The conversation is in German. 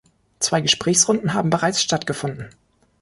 Zwei Gesprächsrunden haben bereits stattgefunden.